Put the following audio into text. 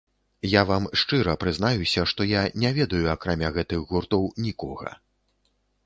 Я вам шчыра прызнаюся, што я не ведаю, акрамя гэтых гуртоў, нікога.